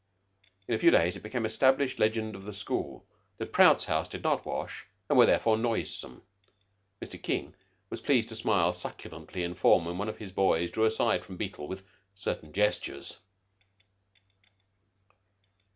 In a few days it became an established legend of the school that Prout's house did not wash and were therefore noisome. Mr. King was pleased to smile succulently in form when one of his boys drew aside from Beetle with certain gestures.